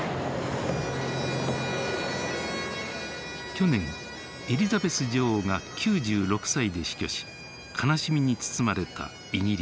去年エリザベス女王が９６歳で死去し悲しみに包まれたイギリス。